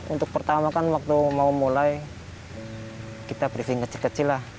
untuk pertama kan waktu mau mulai kita briefing kecil kecil lah